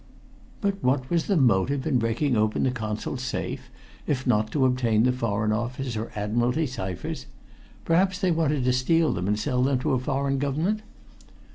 "But what was the motive in breaking open the Consul's safe, if not to obtain the Foreign Office or Admiralty ciphers? Perhaps they wanted to steal them and sell them to a foreign government?"